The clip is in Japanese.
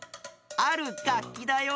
あるがっきだよ。